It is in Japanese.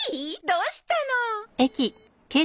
どうしたのー？